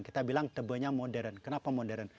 kita bilang tebanya modern kenapa modern